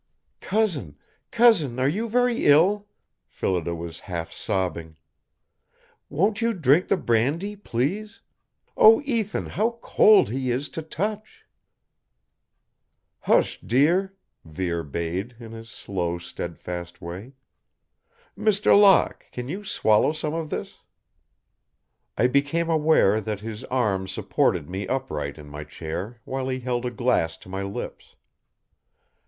_" "Cousin, Cousin, are you very ill?" Phillida was half sobbing. "Won't you drink the brandy, please? Oh, Ethan, how cold he is to touch!" "Hush, dear," Vere bade, in his slow steadfast way. "Mr. Locke, can you swallow some of this?" I became aware that his arm supported me upright in my chair while he held a glass to my lips.